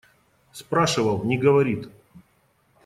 Спрашивал – не говорит.